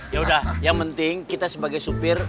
yaudah yang penting kita sebagai supir